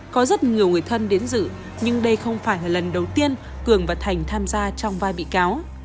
có rất nhiều người thân đến dự nhưng đây không phải là lần đầu tiên cường và thành tham gia trong vai bị cáo